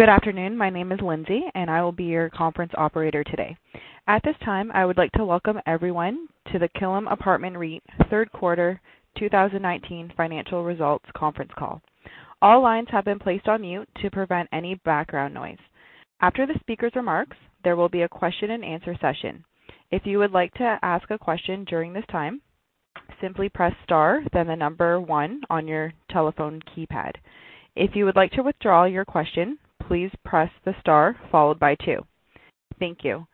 Good afternoon. My name is Lindsay, and I will be your conference operator today. At this time, I would like to welcome everyone to the Killam Apartment REIT Third Quarter 2019 Financial Results Conference Call. All lines have been placed on mute to prevent any background noise. After the speaker's remarks, there will be a question and answer session. If you would like to ask a question during this time, simply press star, then the number 1 on your telephone keypad. If you would like to withdraw your question, please press the star followed by 2. Thank you.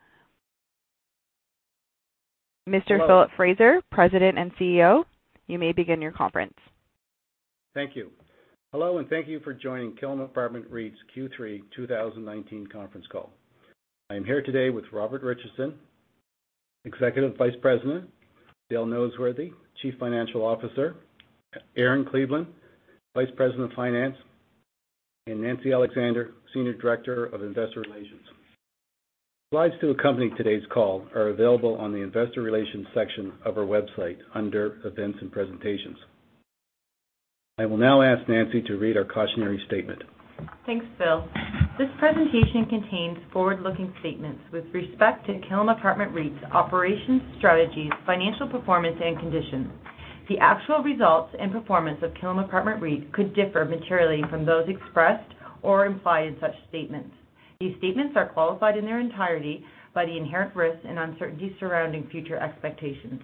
Mr. Philip Fraser, President and CEO, you may begin your conference. Thank you. Hello, thank you for joining Killam Apartment REIT's Q3 2019 conference call. I am here today with Robert Richardson, Executive Vice President, Dale Noseworthy, Chief Financial Officer, Erin Cleveland, Vice President of Finance, and Nancy Alexander, Senior Director of Investor Relations. Slides to accompany today's call are available on the investor relations section of our website under events and presentations. I will now ask Nancy to read our cautionary statement. Thanks, Phil. This presentation contains forward-looking statements with respect to Killam Apartment REIT's operations, strategies, financial performance and conditions. The actual results and performance of Killam Apartment REIT could differ materially from those expressed or implied in such statements. These statements are qualified in their entirety by the inherent risks and uncertainties surrounding future expectations.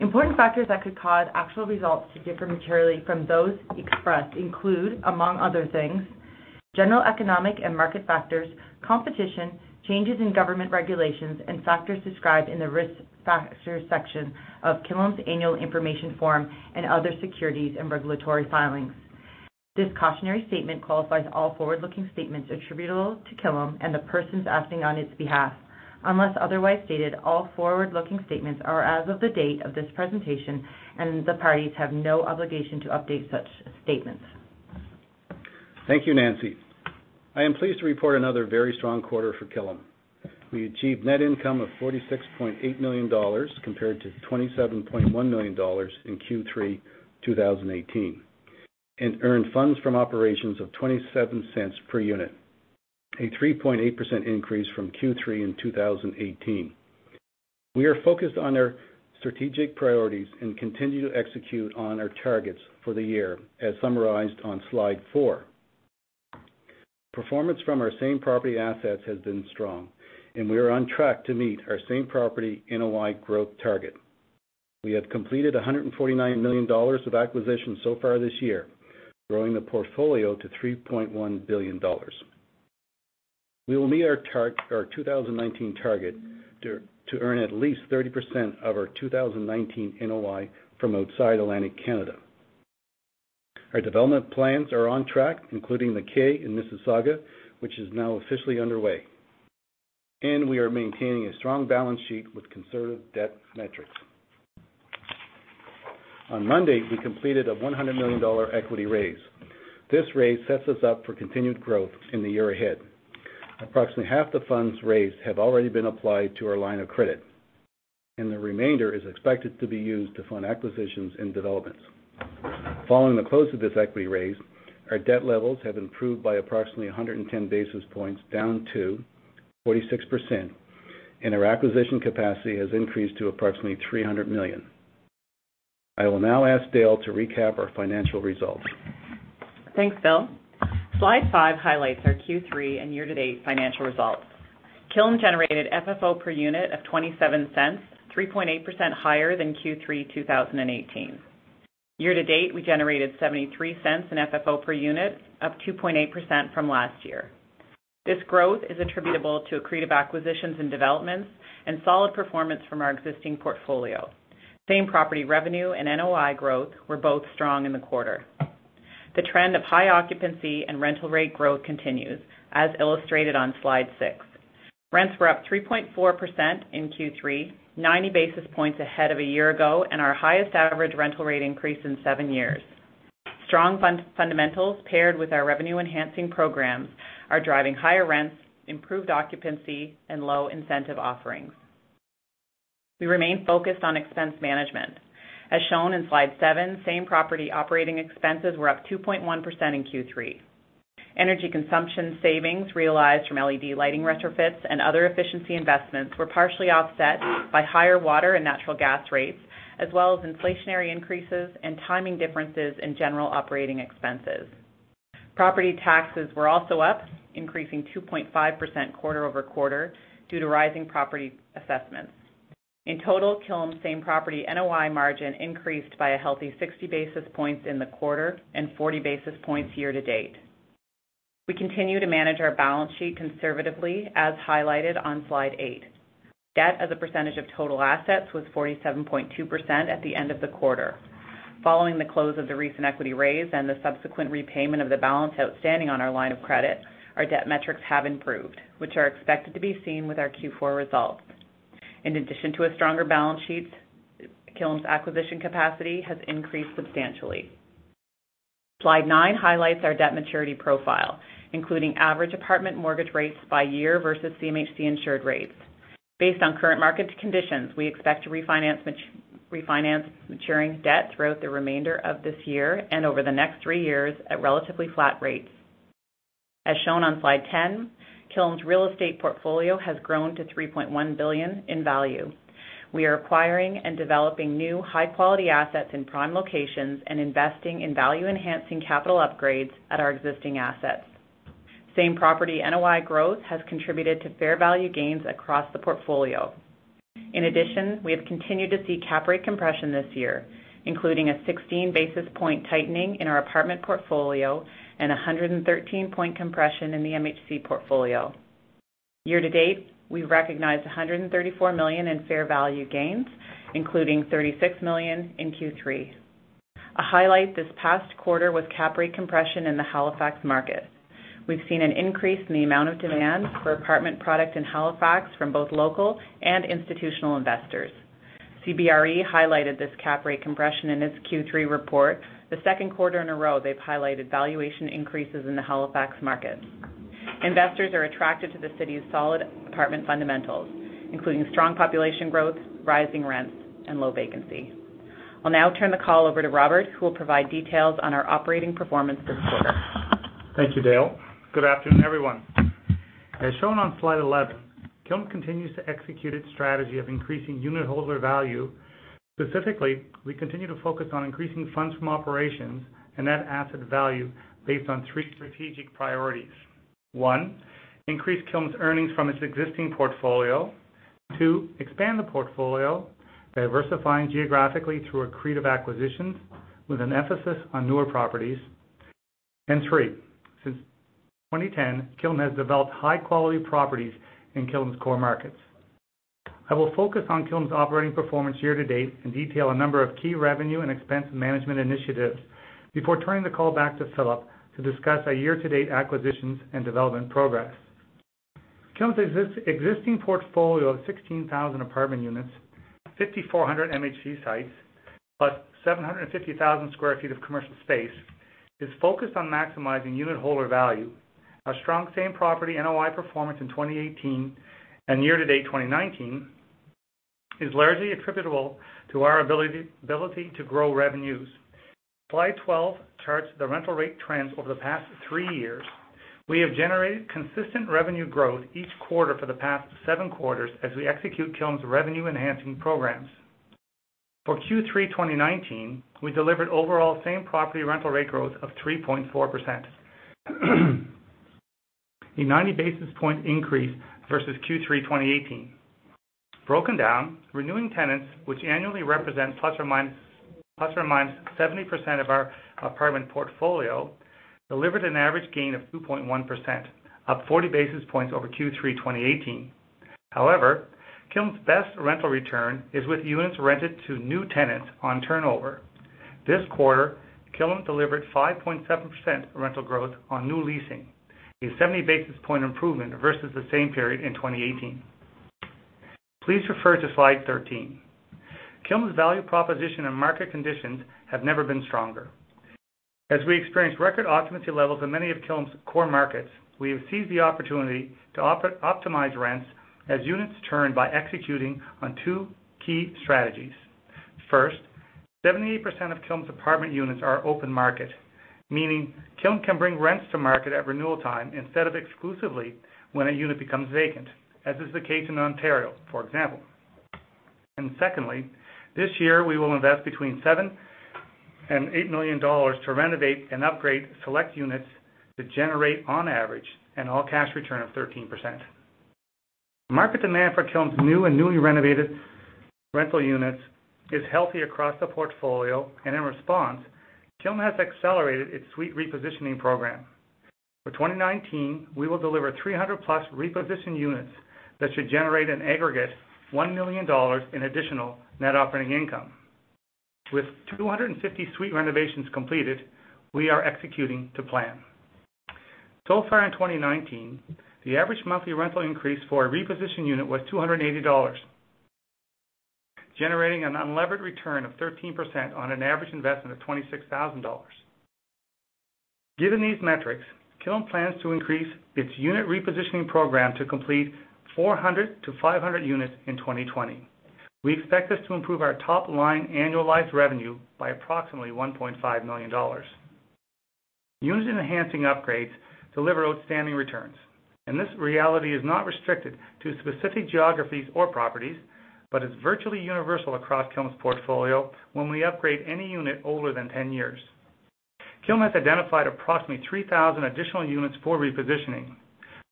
Important factors that could cause actual results to differ materially from those expressed include, among other things, general economic and market factors, competition, changes in government regulations, factors described in the risk factors section of Killam's annual information form and other securities and regulatory filings. This cautionary statement qualifies all forward-looking statements attributable to Killam and the persons acting on its behalf. Unless otherwise stated, all forward-looking statements are as of the date of this presentation, and the parties have no obligation to update such statements. Thank you, Nancy. I am pleased to report another very strong quarter for Killam. We achieved net income of 46.8 million dollars compared to 27.1 million dollars in Q3 2018, and earned funds from operations of 0.27 per unit, a 3.8% increase from Q3 in 2018. We are focused on our strategic priorities and continue to execute on our targets for the year, as summarized on slide four. Performance from our same-property assets has been strong, and we are on track to meet our same-property NOI growth target. We have completed 149 million dollars of acquisitions so far this year, growing the portfolio to 3.1 billion dollars. We will meet our 2019 target to earn at least 30% of our 2019 NOI from outside Atlantic Canada. Our development plans are on track, including The Kay in Mississauga, which is now officially underway. We are maintaining a strong balance sheet with conservative debt metrics. On Monday, we completed a 100 million dollar equity raise. This raise sets us up for continued growth in the year ahead. Approximately half the funds raised have already been applied to our line of credit, and the remainder is expected to be used to fund acquisitions and developments. Following the close of this equity raise, our debt levels have improved by approximately 110 basis points, down to 46%, and our acquisition capacity has increased to approximately 300 million. I will now ask Dale to recap our financial results. Thanks, Phil. Slide five highlights our Q3 and year-to-date financial results. Killam generated FFO per unit of 0.27, 3.8% higher than Q3 2018. Year-to-date, we generated 0.73 in FFO per unit, up 2.8% from last year. This growth is attributable to accretive acquisitions and developments and solid performance from our existing portfolio. Same-property revenue and NOI growth were both strong in the quarter. The trend of high occupancy and rental rate growth continues, as illustrated on Slide 6. Rents were up 3.4% in Q3, 90 basis points ahead of a year ago, and our highest average rental rate increase in seven years. Strong fundamentals paired with our revenue-enhancing programs are driving higher rents, improved occupancy, and low incentive offerings. We remain focused on expense management. As shown in Slide seven, same-property operating expenses were up 2.1% in Q3. Energy consumption savings realized from LED lighting retrofits and other efficiency investments were partially offset by higher water and natural gas rates, as well as inflationary increases and timing differences in general operating expenses. Property taxes were also up, increasing 2.5% quarter-over-quarter due to rising property assessments. In total, Killam same-property NOI margin increased by a healthy 60 basis points in the quarter and 40 basis points year-to-date. We continue to manage our balance sheet conservatively, as highlighted on Slide 8. Debt as a percentage of total assets was 47.2% at the end of the quarter. Following the close of the recent equity raise and the subsequent repayment of the balance outstanding on our line of credit, our debt metrics have improved, which are expected to be seen with our Q4 results. In addition to a stronger balance sheet, Killam's acquisition capacity has increased substantially. Slide nine highlights our debt maturity profile, including average apartment mortgage rates by year versus CMHC-insured rates. Based on current market conditions, we expect to refinance maturing debt throughout the remainder of this year and over the next three years at relatively flat rates. As shown on slide 10, Killam's real estate portfolio has grown to 3.1 billion in value. We are acquiring and developing new high-quality assets in prime locations and investing in value-enhancing capital upgrades at our existing assets. Same property NOI growth has contributed to fair value gains across the portfolio. In addition, we have continued to see cap rate compression this year, including a 16 basis point tightening in our apartment portfolio and 113 point compression in the MHC portfolio. Year-to-date, we've recognized 134 million in fair value gains, including 36 million in Q3. A highlight this past quarter was cap rate compression in the Halifax market. We've seen an increase in the amount of demand for apartment product in Halifax from both local and institutional investors. CBRE highlighted this cap rate compression in its Q3 report, the second quarter in a row they've highlighted valuation increases in the Halifax market. Investors are attracted to the city's solid apartment fundamentals, including strong population growth, rising rents, and low vacancy. I'll now turn the call over to Robert, who will provide details on our operating performance this quarter. Thank you, Dale. Good afternoon, everyone. As shown on slide 11, Killam continues to execute its strategy of increasing unitholder value. Specifically, we continue to focus on increasing funds from operations and net asset value based on three strategic priorities. One, increase Killam's earnings from its existing portfolio. Two, expand the portfolio, diversifying geographically through accretive acquisitions with an emphasis on newer properties. Three, since 2010, Killam has developed high-quality properties in Killam's core markets. I will focus on Killam's operating performance year-to-date and detail a number of key revenue and expense management initiatives before turning the call back to Philip to discuss our year-to-date acquisitions and development progress. Killam's existing portfolio of 16,000 apartment units, 5,400 MHC sites, plus 750,000 square feet of commercial space, is focused on maximizing unitholder value. Our strong same property NOI performance in 2018 and year-to-date 2019, is largely attributable to our ability to grow revenues. Slide 12 charts the rental rate trends over the past three years. We have generated consistent revenue growth each quarter for the past seven quarters as we execute Killam's revenue-enhancing programs. For Q3 2019, we delivered overall same property rental rate growth of 3.4%, a 90 basis point increase versus Q3 2018. Broken down, renewing tenants, which annually represent ±70% of our apartment portfolio, delivered an average gain of 2.1%, up 40 basis points over Q3 2018. However, Killam's best rental return is with units rented to new tenants on turnover. This quarter, Killam delivered 5.7% rental growth on new leasing, a 70 basis point improvement versus the same period in 2018. Please refer to slide 13. Killam's value proposition and market conditions have never been stronger. As we experience record occupancy levels in many of Killam's core markets, we have seized the opportunity to optimize rents as units turn by executing on two key strategies. First, 78% of Killam's apartment units are open market, meaning Killam can bring rents to market at renewal time instead of exclusively when a unit becomes vacant, as is the case in Ontario, for example. Secondly, this year, we will invest between 7 million and 8 million dollars to renovate and upgrade select units to generate, on average, an all-cash return of 13%. Market demand for Killam's new and newly renovated rental units is healthy across the portfolio, and in response, Killam has accelerated its suite repositioning program. For 2019, we will deliver 300-plus repositioned units that should generate an aggregate 1 million dollars in additional net operating income. With 250 suite renovations completed, we are executing to plan. In 2019, the average monthly rental increase for a repositioned unit was 280 dollars, generating an unlevered return of 13% on an average investment of 26,000 dollars. Given these metrics, Killam plans to increase its unit repositioning program to complete 400 to 500 units in 2020. We expect this to improve our top-line annualized revenue by approximately 1.5 million dollars. Unit-enhancing upgrades deliver outstanding returns. This reality is not restricted to specific geographies or properties, but is virtually universal across Killam's portfolio when we upgrade any unit older than 10 years. Killam has identified approximately 3,000 additional units for repositioning.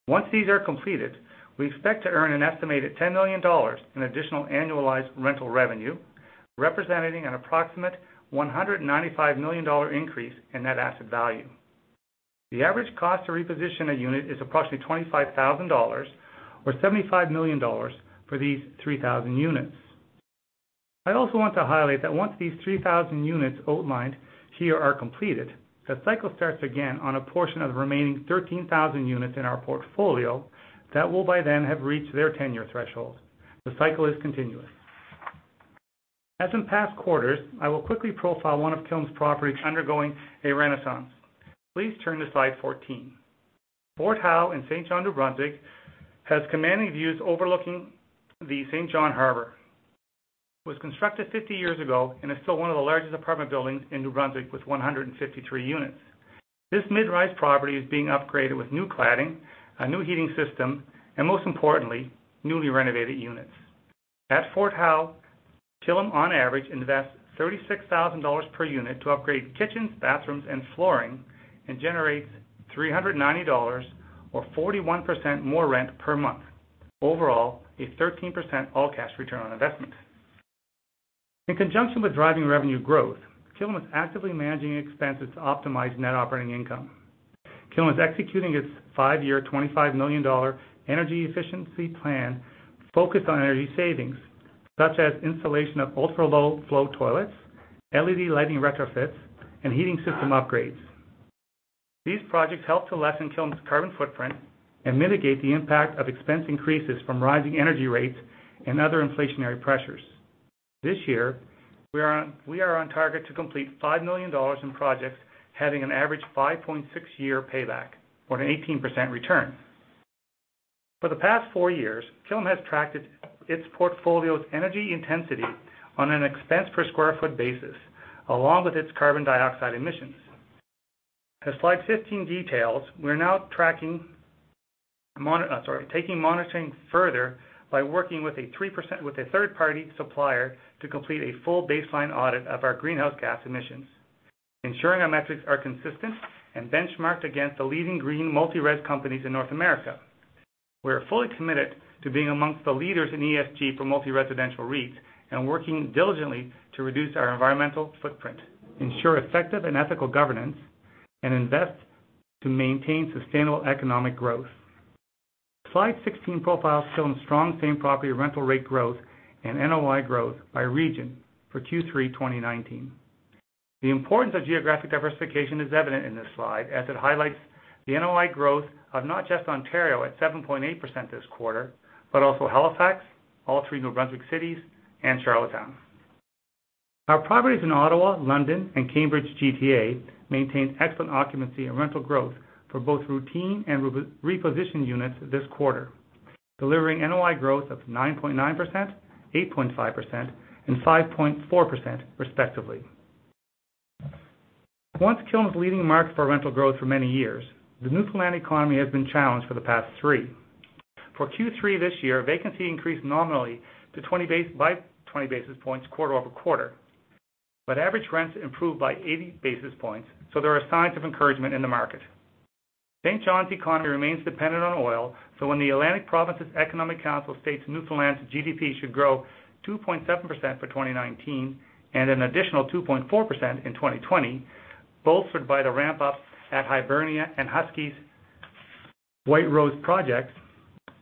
Once these are completed, we expect to earn an estimated 10 million dollars in additional annualized rental revenue, representing an approximate 195 million dollar increase in net asset value. The average cost to reposition a unit is approximately 25,000 dollars, or 75 million dollars for these 3,000 units. I'd also want to highlight that once these 3,000 units outlined here are completed, the cycle starts again on a portion of the remaining 13,000 units in our portfolio that will by then have reached their 10-year threshold. The cycle is continuous. As in past quarters, I will quickly profile one of Killam's properties undergoing a renaissance. Please turn to slide 14. Fort Howe in Saint John, New Brunswick, has commanding views overlooking the Saint John Harbor. It was constructed 50 years ago and is still one of the largest apartment buildings in New Brunswick with 153 units. This mid-rise property is being upgraded with new cladding, a new heating system, and most importantly, newly renovated units. At Fort Howe, Killam on average invests 36,000 dollars per unit to upgrade kitchens, bathrooms, and flooring, and generates 390 dollars or 41% more rent per month. Overall, a 13% all-cash return on investment. In conjunction with driving revenue growth, Killam is actively managing expenses to optimize net operating income. Killam is executing its five-year, 25 million dollar energy efficiency plan focused on energy savings, such as installation of ultra-low flow toilets, LED lighting retrofits, and heating system upgrades. These projects help to lessen Killam's carbon footprint and mitigate the impact of expense increases from rising energy rates and other inflationary pressures. This year, we are on target to complete 5 million dollars in projects having an average 5.6-year payback or an 18% return. For the past four years, Killam has tracked its portfolio's energy intensity on an expense per square foot basis, along with its carbon dioxide emissions. As slide 15 details, we're now taking monitoring further by working with a third-party supplier to complete a full baseline audit of our greenhouse gas emissions, ensuring our metrics are consistent and benchmarked against the leading green multi-res companies in North America. We are fully committed to being amongst the leaders in ESG for multi-residential REITs and working diligently to reduce our environmental footprint, ensure effective and ethical governance, and invest to maintain sustainable economic growth. Slide 16 profiles Killam's strong same-property rental rate growth and NOI growth by region for Q3 2019. The importance of geographic diversification is evident in this slide, as it highlights the NOI growth of not just Ontario at 7.8% this quarter, but also Halifax, all three New Brunswick cities, and Charlottetown. Our properties in Ottawa, London, and Cambridge GTA maintain excellent occupancy and rental growth for both routine and repositioned units this quarter, delivering NOI growth of 9.9%, 8.5%, and 5.4%, respectively. Once Killam's leading market for rental growth for many years, the Newfoundland economy has been challenged for the past three. For Q3 this year, vacancy increased nominally by 20 basis points quarter-over-quarter, but average rents improved by 80 basis points, so there are signs of encouragement in the market. St. John's economy remains dependent on oil, so when the Atlantic Provinces Economic Council states Newfoundland's GDP should grow 2.7% for 2019 and an additional 2.4% in 2020, bolstered by the ramp-up at Hibernia and Husky's White Rose projects,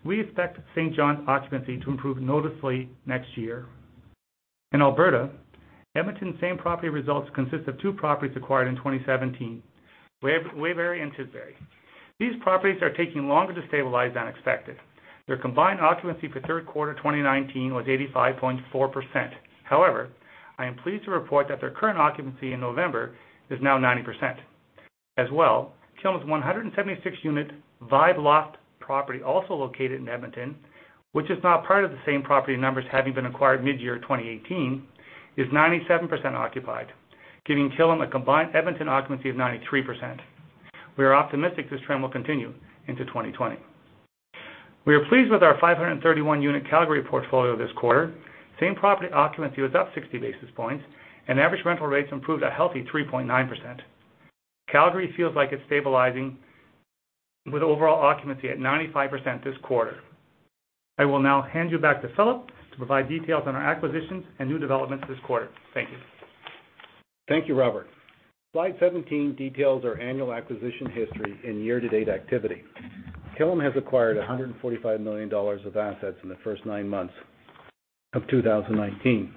we expect St. John's occupancy to improve noticeably next year. In Alberta, Edmonton same property results consist of two properties acquired in 2017, Waverley and Tidsbury. These properties are taking longer to stabilize than expected. Their combined occupancy for the third quarter 2019 was 85.4%. I am pleased to report that their current occupancy in November is now 90%. Killam's 176-unit Vibe Lofts property, also located in Edmonton, which is not part of the same property numbers having been acquired mid-year 2018, is 97% occupied, giving Killam a combined Edmonton occupancy of 93%. We are optimistic this trend will continue into 2020. We are pleased with our 531-unit Calgary portfolio this quarter. Same-property occupancy was up 60 basis points, and average rental rates improved a healthy 3.9%. Calgary feels like it's stabilizing with overall occupancy at 95% this quarter. I will now hand you back to Philip to provide details on our acquisitions and new developments this quarter. Thank you. Thank you, Robert. Slide 17 details our annual acquisition history and year-to-date activity. Killam has acquired 145 million dollars of assets in the first nine months of 2019.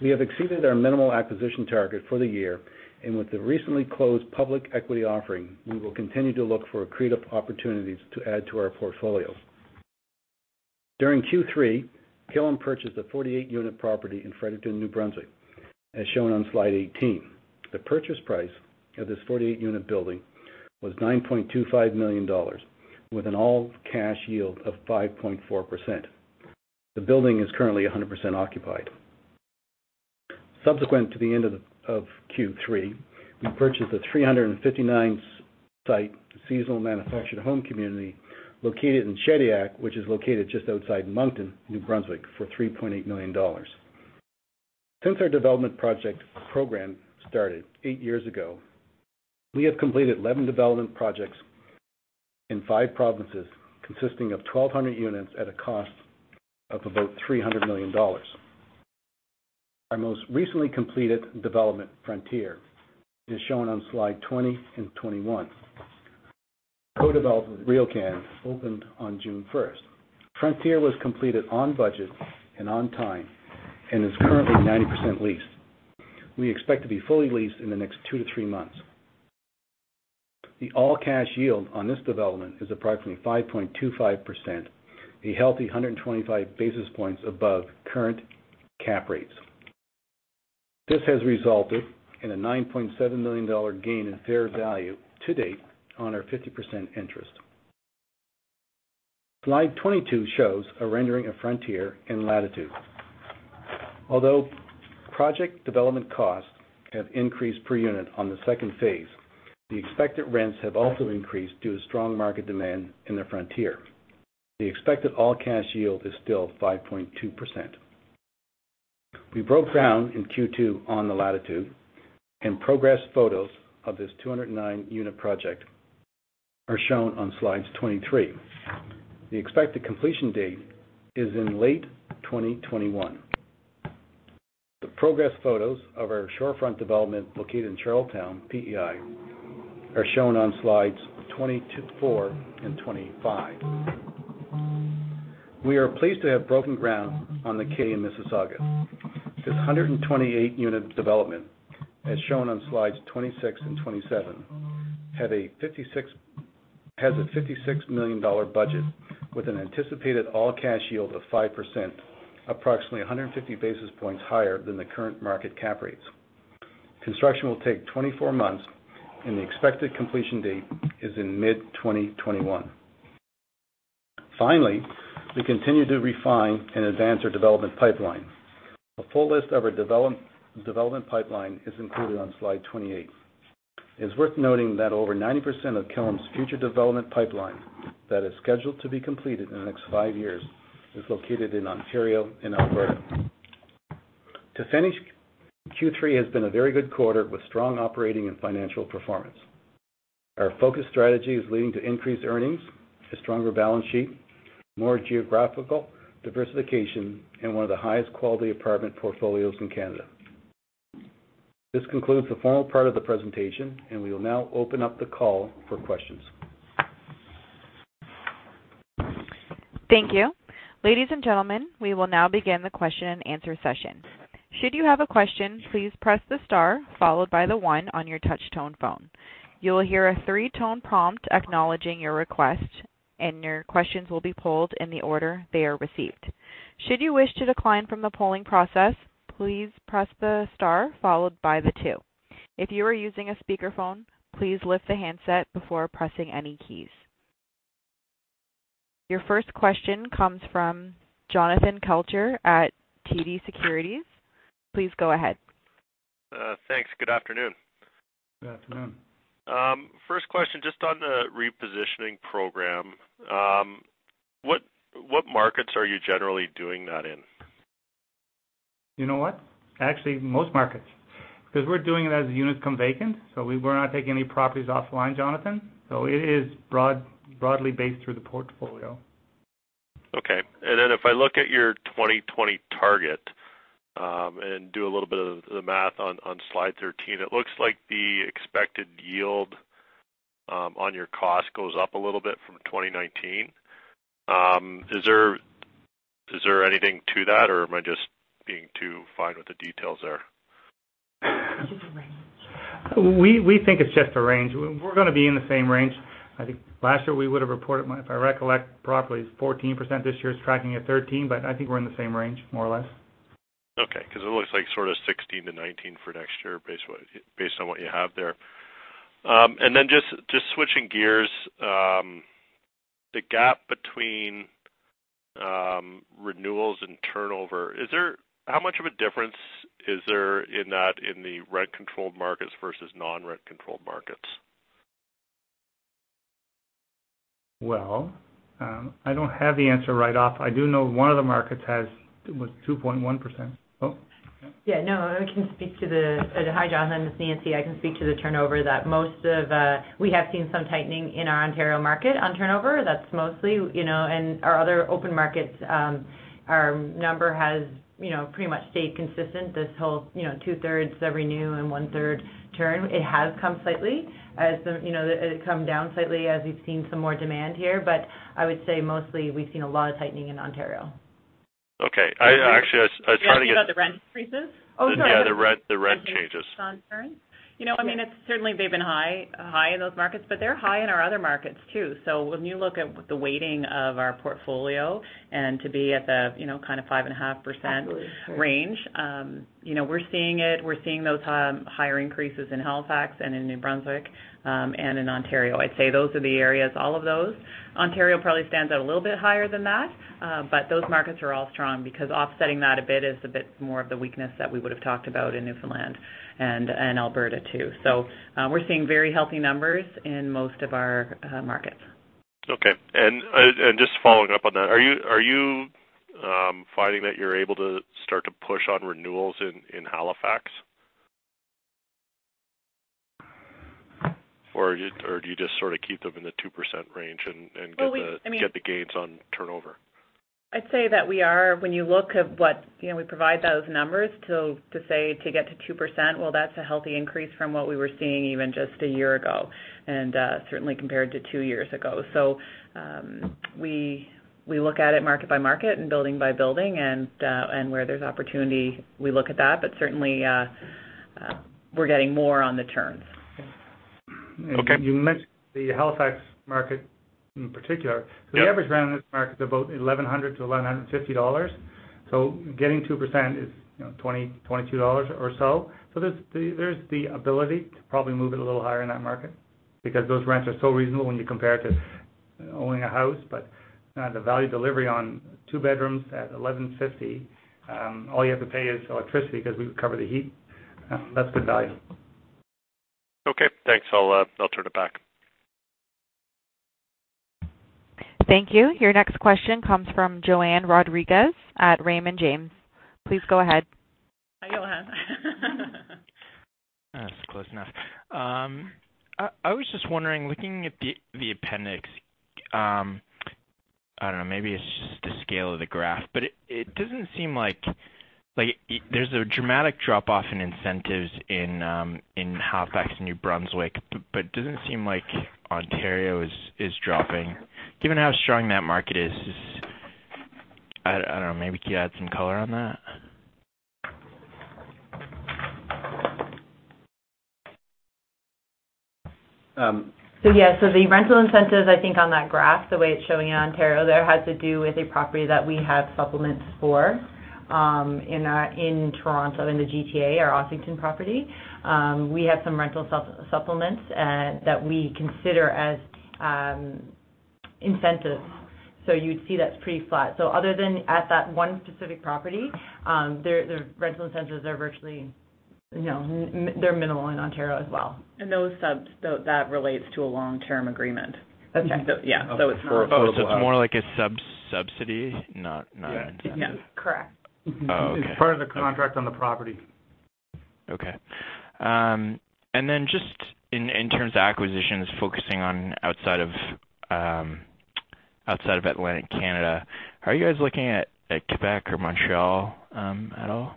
With the recently closed public equity offering, we will continue to look for creative opportunities to add to our portfolio. During Q3, Killam purchased a 48-unit property in Fredericton, New Brunswick, as shown on slide 18. The purchase price of this 48-unit building was 9.25 million dollars with an all-cash yield of 5.4%. The building is currently 100% occupied. Subsequent to the end of Q3, we purchased a 359-site seasonal manufactured home community located in Shediac, which is located just outside Moncton, New Brunswick, for 3.8 million dollars. Since our development project program started eight years ago, we have completed 11 development projects in five provinces, consisting of 1,200 units at a cost of about 300 million dollars. Our most recently completed development, Frontier, is shown on slide 20 and 21. Co-developed with RioCan, opened on June 1st, Frontier was completed on budget and on time and is currently 90% leased. We expect to be fully leased in the next two to three months. The all-cash yield on this development is approximately 5.25%, a healthy 125 basis points above current cap rates. This has resulted in a 9.7 million dollar gain in fair value to date on our 50% interest. Slide 22 shows a rendering of Frontier in Latitude. Although project development costs have increased per unit on the second phase, the expected rents have also increased due to strong market demand in the Frontier. The expected all-cash yield is still 5.2%. We broke ground in Q2 on the Latitude, and progress photos of this 209-unit project are shown on slides 23. The expected completion date is in late 2021. The progress photos of our shorefront development located in Charlottetown, PEI, are shown on slides 24 and 25. We are pleased to have broken ground on The Kay in Mississauga. This 128-unit development, as shown on slides 26 and 27, has a 56 million dollar budget with an anticipated all-cash yield of 5%, approximately 150 basis points higher than the current market cap rates. Construction will take 24 months, and the expected completion date is in mid-2021. Finally, we continue to refine and advance our development pipeline. A full list of our development pipeline is included on Slide 28. It's worth noting that over 90% of Killam's future development pipeline that is scheduled to be completed in the next five years is located in Ontario and Alberta. To finish, Q3 has been a very good quarter with strong operating and financial performance. Our focused strategy is leading to increased earnings, a stronger balance sheet, more geographical diversification, and one of the highest-quality apartment portfolios in Canada. This concludes the formal part of the presentation. We will now open up the call for questions. Thank you. Ladies and gentlemen, we will now begin the question and answer session. Should you have a question, please press the star followed by the one on your touch-tone phone. You will hear a three-tone prompt acknowledging your request, and your questions will be polled in the order they are received. Should you wish to decline from the polling process, please press the star followed by the two. If you are using a speakerphone, please lift the handset before pressing any keys. Your first question comes from Jonathan Kelcher at TD Securities. Please go ahead. Thanks. Good afternoon. Good afternoon. First question, just on the repositioning program. What markets are you generally doing that in? You know what? Actually, most markets, because we're doing it as units come vacant, we're not taking any properties offline, Jonathan. It is broadly based through the portfolio. Okay. If I look at your 2020 target, and do a little bit of the math on Slide 13, it looks like the expected yield on your cost goes up a little bit from 2019. Is there anything to that, or am I just being too fine with the details there? It's just a range. We think it's just a range. We're going to be in the same range. I think last year we would've reported, if I recollect properly, 14%. This year it's tracking at 13%, but I think we're in the same range, more or less. Okay, because it looks like sort of 16 to 19 for next year based on what you have there. Then just switching gears, the gap between renewals and turnover, how much of a difference is there in that in the rent-controlled markets versus non-rent-controlled markets? Well, I don't have the answer right off. I do know one of the markets has, it was 2.1%. Oh. Yeah, no, I can speak to the Hi, Jonathan. It's Nancy. I can speak to the turnover that we have seen some tightening in our Ontario market on turnover. That's mostly. Our other open markets, our number has pretty much stayed consistent this whole two-thirds every new and one-third turn. It has come down slightly as we've seen some more demand here. I would say mostly we've seen a lot of tightening in Ontario. Okay. I actually. You're asking about the rent increases? Oh, sorry. Yeah, the rent changes. On turns. I mean, certainly they've been high in those markets, but they're high in our other markets, too. When you look at the weighting of our portfolio and to be at the 5.5% range. We're seeing it. We're seeing those higher increases in Halifax and in New Brunswick, and in Ontario. I'd say those are the areas, all of those. Ontario probably stands out a little bit higher than that. Those markets are all strong because offsetting that a bit is a bit more of the weakness that we would've talked about in Newfoundland and Alberta, too. We're seeing very healthy numbers in most of our markets. Okay. Just following up on that, are you finding that you're able to start to push on renewals in Halifax? Or do you just sort of keep them in the 2% range and get the gains on turnover? I'd say that we are. When you look at what We provide those numbers to say to get to 2%, well, that's a healthy increase from what we were seeing even just a year ago, and certainly compared to two years ago. We look at it market by market and building by building, and where there's opportunity, we look at that, but certainly, we're getting more on the turns. Okay. You mentioned the Halifax market in particular. Yeah. The average rent in this market is about 1,100-1,150 dollars. Getting 2% is 20 dollars, 22 dollars or so. There's the ability to probably move it a little higher in that market because those rents are so reasonable when you compare it to owning a house. The value delivery on two bedrooms at 1,150, all you have to pay is electricity because we cover the heat. That's good value. Okay, thanks. I'll turn it back. Thank you. Your next question comes from Johann Rodrigues at Raymond James. Please go ahead. Hi, Johann. That's close enough. I was just wondering, looking at the appendix. I don't know, maybe it's just the scale of the graph, but it doesn't seem like there's a dramatic drop-off in incentives in Halifax and New Brunswick, but it doesn't seem like Ontario is dropping. Given how strong that market is, I don't know. Maybe could you add some color on that? Yeah. The rental incentives, I think, on that graph, the way it's showing in Ontario there, has to do with a property that we have supplements for in Toronto, in the GTA, our Ossington property. We have some rental supplements that we consider as incentives. You'd see that's pretty flat. Other than at that one specific property, the rental incentives, they're minimal in Ontario as well. Those subs, that relates to a long-term agreement. Okay. Yeah, it's not. Oh, it's more like a subsidy, not an incentive. Yeah. Correct. Oh, okay. It's part of the contract on the property. Okay. Just in terms of acquisitions, focusing on outside of Atlantic Canada, are you guys looking at Quebec or Montreal at all?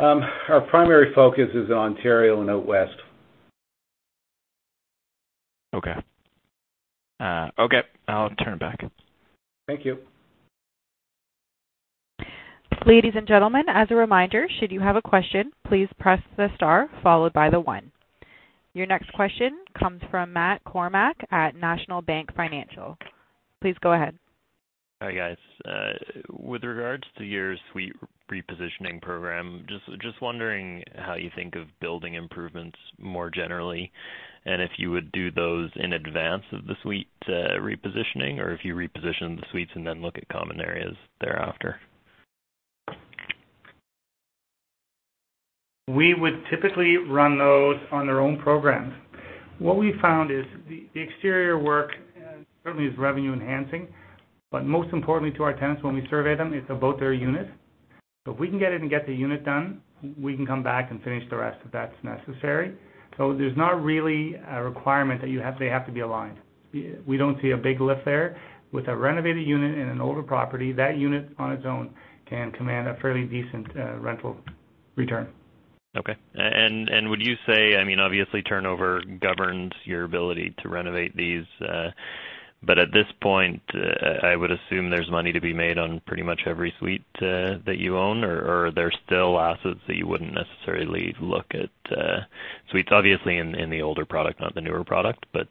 Our primary focus is on Ontario and out West. Okay. I'll turn it back. Thank you. Ladies and gentlemen, as a reminder, should you have a question, please press the star followed by the one. Your next question comes from Matt Kornack at National Bank Financial. Please go ahead. Hi, guys. With regards to your suite repositioning program, just wondering how you think of building improvements more generally, and if you would do those in advance of the suite repositioning, or if you reposition the suites and then look at common areas thereafter? We would typically run those on their own programs. What we found is the exterior work certainly is revenue enhancing, but most importantly to our tenants when we survey them, it's about their unit. If we can get in and get the unit done, we can come back and finish the rest if that's necessary. There's not really a requirement that they have to be aligned. We don't see a big lift there. With a renovated unit in an older property, that unit on its own can command a fairly decent rental return. Okay. Would you say, obviously turnover governs your ability to renovate these. At this point, I would assume there's money to be made on pretty much every suite that you own, or are there still assets that you wouldn't necessarily look at suites obviously in the older product, not the newer product. In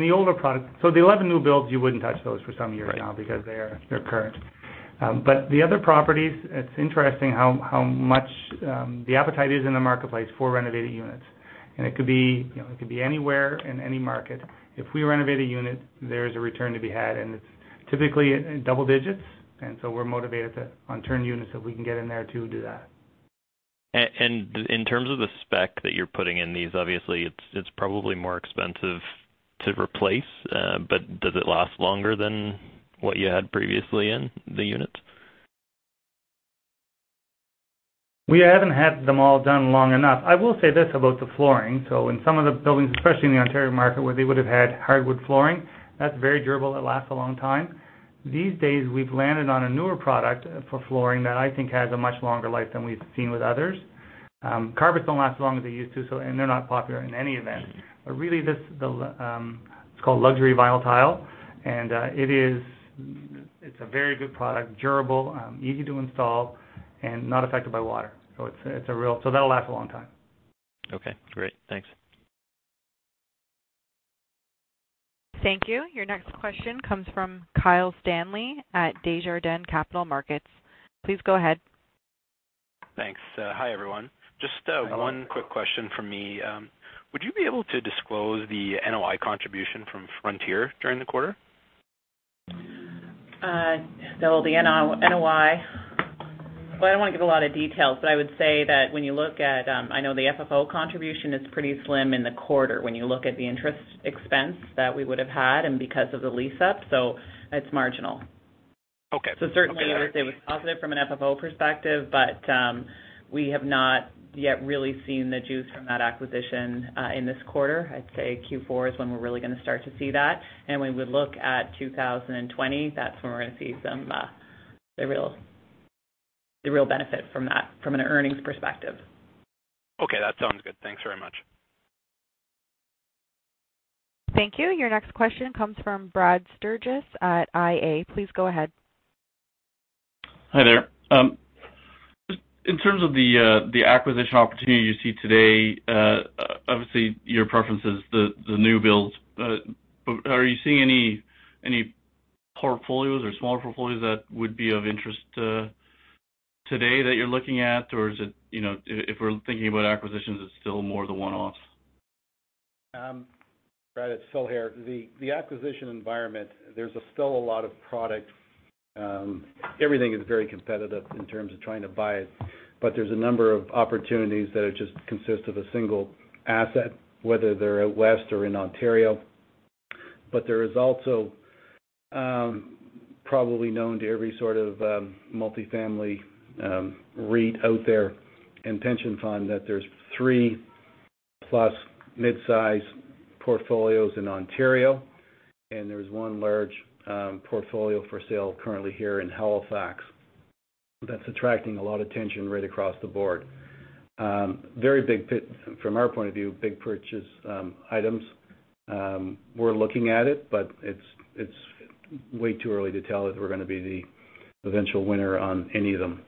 the older product. The 11 new builds, you wouldn't touch those for some years now because they're current. The other properties, it's interesting how much the appetite is in the marketplace for renovating units. It could be anywhere, in any market. If we renovate a unit, there is a return to be had, and it's typically double digits. We're motivated to, on turn units, if we can get in there to do that. In terms of the spec that you're putting in these, obviously it's probably more expensive to replace, but does it last longer than what you had previously in the units? We haven't had them all done long enough. I will say this about the flooring. In some of the buildings, especially in the Ontario market, where they would've had hardwood flooring, that's very durable. It lasts a long time. These days, we've landed on a newer product for flooring that I think has a much longer life than we've seen with others. Carpets don't last as long as they used to, and they're not popular in any event. Really, it's called luxury vinyl tile, and it's a very good product. Durable, easy to install, and not affected by water. That'll last a long time. Okay, great. Thanks. Thank you. Your next question comes from Kyle Stanley at Desjardins Capital Markets. Please go ahead. Thanks. Hi, everyone. Hello. Just one quick question from me. Would you be able to disclose the NOI contribution from Frontier during the quarter? The NOI, well, I don't want to give a lot of details, but I would say that when you look at I know the FFO contribution is pretty slim in the quarter when you look at the interest expense that we would have had and because of the lease-up, so it's marginal. Okay. Certainly I would say we're positive from an FFO perspective, but we have not yet really seen the juice from that acquisition in this quarter. I'd say Q4 is when we're really going to start to see that. When we look at 2020, that's when we're going to see the real benefit from an earnings perspective. Okay, that sounds good. Thanks very much. Thank you. Your next question comes from Brad Sturges at IA. Please go ahead. Hi there. In terms of the acquisition opportunity you see today, obviously, your preference is the new builds. Are you seeing any portfolios or smaller portfolios that would be of interest today that you're looking at? If we're thinking about acquisitions, it's still more the one-offs? Brad, it's Phil here. The acquisition environment, there's still a lot of product. Everything is very competitive in terms of trying to buy it. There's a number of opportunities that just consist of a single asset, whether they're out West or in Ontario. There is also, probably known to every sort of multifamily REIT out there and pension fund, that there's three-plus mid-size portfolios in Ontario, and there's one large portfolio for sale currently here in Halifax that's attracting a lot of attention right across the board. From our point of view, big purchase items. We're looking at it, but it's way too early to tell if we're going to be the eventual winner on any of them.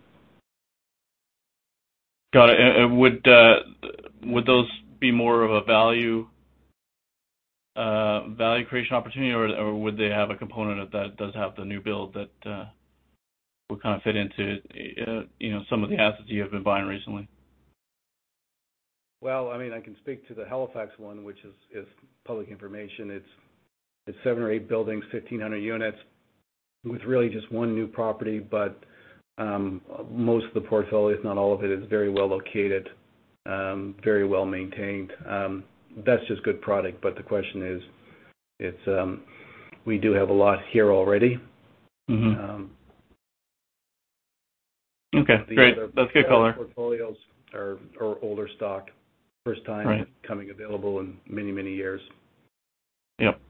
Got it. Would those be more of a value creation opportunity, or would they have a component that does have the new build that will kind of fit into some of the assets you have been buying recently? Well, I can speak to the Halifax one, which is public information. It's seven or eight buildings, 1,500 units, with really just one new property. Most of the portfolio, if not all of it, is very well located, very well-maintained. That's just a good product. The question is, we do have a lot here already. Mm-hmm. Okay, great. That's a good color. The other portfolios are older stock. Right. First time coming available in many, many years. Yep.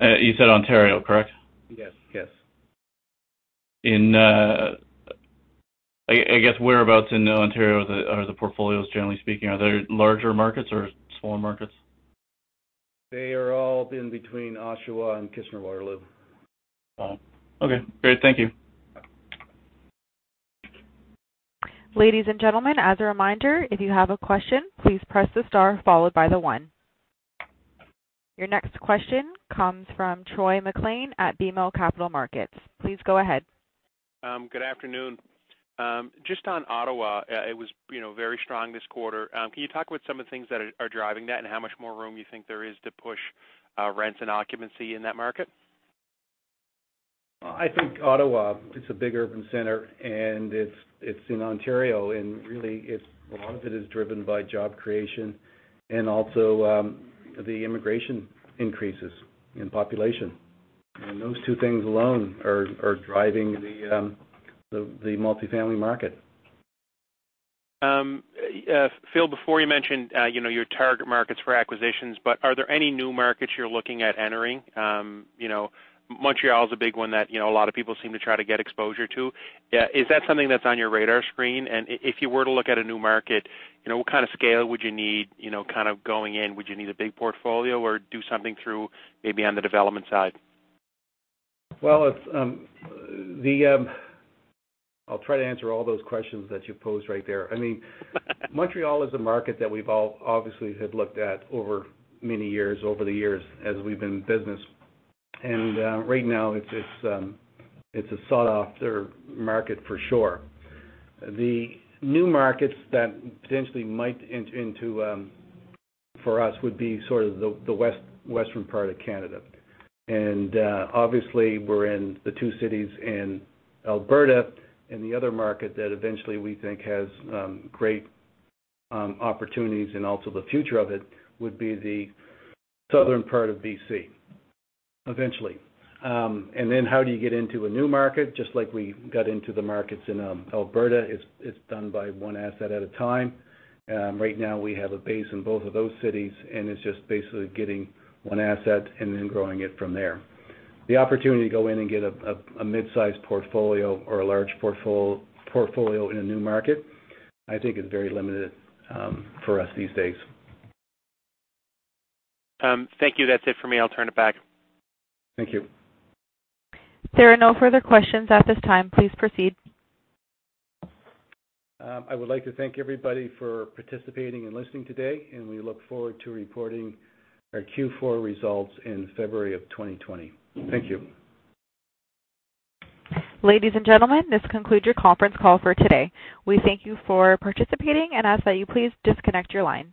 You said Ontario, correct? Yes. I guess, whereabouts in Ontario are the portfolios, generally speaking? Are they larger markets or smaller markets? They are all in between Oshawa and Kitchener-Waterloo. Oh, okay. Great. Thank you. Ladies and gentlemen, as a reminder, if you have a question, please press the star followed by the one. Your next question comes from Troy MacLean at BMO Capital Markets. Please go ahead. Good afternoon. Just on Ottawa, it was very strong this quarter. Can you talk about some of the things that are driving that and how much more room you think there is to push rents and occupancy in that market? I think Ottawa is a big urban center, and it's in Ontario, and really, a lot of it is driven by job creation and also the immigration increases in population. Those two things alone are driving the multifamily market. Phil, before you mentioned your target markets for acquisitions, are there any new markets you're looking at entering? Montreal is a big one that a lot of people seem to try to get exposure to. Is that something that's on your radar screen? If you were to look at a new market, what kind of scale would you need kind of going in? Would you need a big portfolio or do something through maybe on the development side? Well, I'll try to answer all those questions that you posed right there. Montreal is a market that we obviously have looked at over many years, over the years as we've been in business. Right now, it's a sought-after market for sure. The new markets that potentially might enter into for us would be sort of the western part of Canada. Obviously, we're in the two cities in Alberta, and the other market that eventually we think has great opportunities and also the future of it would be the southern part of B.C., eventually. Then how do you get into a new market? Just like we got into the markets in Alberta. It's done by one asset at a time. Right now, we have a base in both of those cities, and it's just basically getting one asset and then growing it from there. The opportunity to go in and get a mid-size portfolio or a large portfolio in a new market, I think is very limited for us these days. Thank you. That's it for me. I'll turn it back. Thank you. There are no further questions at this time. Please proceed. I would like to thank everybody for participating and listening today. We look forward to reporting our Q4 results in February of 2020. Thank you. Ladies and gentlemen, this concludes your conference call for today. We thank you for participating and ask that you please disconnect your lines.